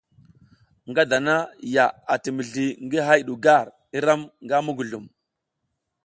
Nga dana ya ati mizli ngi hay du gar i ram nga muguzlum.